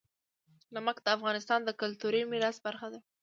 نمک د افغانستان د کلتوري میراث برخه ده.